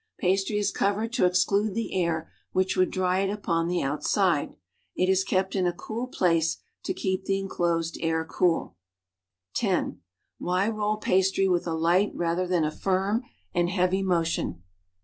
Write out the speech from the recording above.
Pastry is covered to exclude the air which would dry it upon the outside; it is kept in a cool place to keep the enclosed air cool. (See No. 3.) (10) Why roll pastry with a light rather than a firm and heavy motion.'